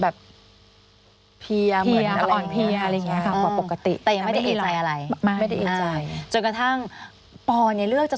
ปอมีรอยฟลกช้ำ